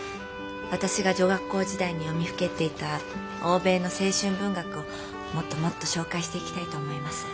私が女学校時代に読みふけっていた欧米の青春文学をもっともっと紹介していきたいと思います。